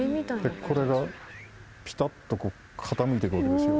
これがピタっと傾いていくわけですよ。